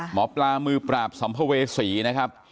หมอปลามือปราบสัมภเวษีนะครับ